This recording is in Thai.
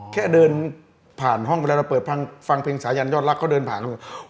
แค่เดินผ่านห้องไปแล้วแล้วเปิดฟังเพลงสายันยอดรักเขาเดินผ่าน